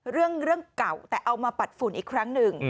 เรื่องเก่าแต่เอามาปัดฝุ่นอีกครั้งหนึ่ง